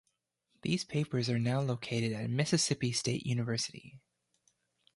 These papers are now located at Mississippi State University.